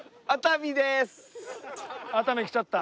熱海来ちゃった。